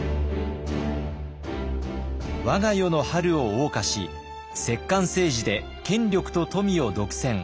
我が世の春をおう歌し摂関政治で権力と富を独占。